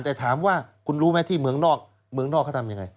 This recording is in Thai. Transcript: แต่ถามว่าคุณรู้ไหมที่เมืองนอกเมืองนอกเขาทำยังไง